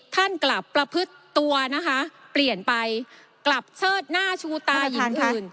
ท่านกลับประพฤติตัวนะคะเปลี่ยนไปกลับเชิดหน้าชูตาหญิงอื่น